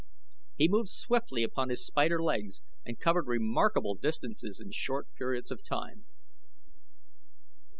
He moved swiftly upon his spider legs and covered remarkable distances in short periods of time.